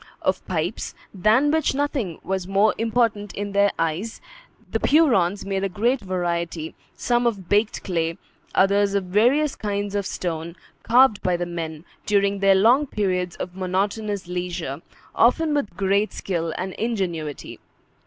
Of pipes, than which nothing was more important in their eyes, the Hurons made a great variety, some of baked clay, others of various kinds of stone, carved by the men, during their long periods of monotonous leisure, often with great skill and ingenuity.